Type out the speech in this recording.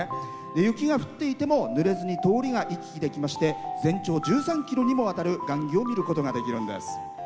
雪が降っていてもぬれずに通りが行き来できまして全長１３ｋｍにもわたる雁木を見ることができるんです。